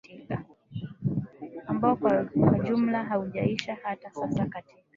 ambao kwa jumla haujaisha hata sasa Katika